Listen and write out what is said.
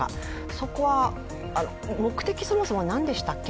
そこは目的そもそも何でしたっけ